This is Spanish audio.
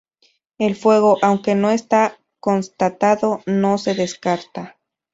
El fuego, aunque no está constatado, no se descarta.